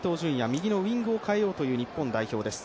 右のウイングを代えようという日本代表です。